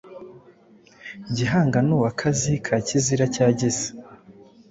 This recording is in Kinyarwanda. Gihanga ni uwa Kazi ka Kizira cya Gisa